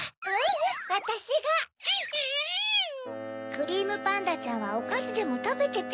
クリームパンダちゃんはおかしでもたべてて。